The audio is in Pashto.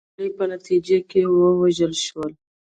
د یوې حملې په نتیجه کې ووژل شول